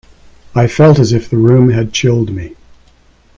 I felt as if the room had chilled me.